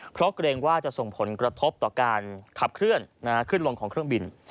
เพราะเกรงว่าจะส่งผลกระทบต่อการขับเคลื่อนขึ้นลงของเครื่องบิน